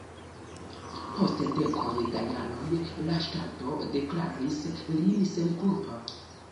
Post dekoj da jaroj la ŝtato deklaris lin senkulpa.